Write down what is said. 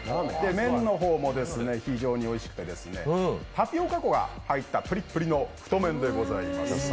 麺の方も非常においしくて、タピオカ粉が入ったぷりっぷりの太麺でございます。